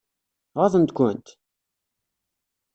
Ɣaḍent-kent?